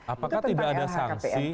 apakah tidak ada sanksi